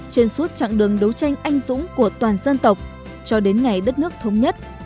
trên suốt chặng đường đấu tranh anh dũng của toàn dân tộc cho đến ngày đất nước thống nhất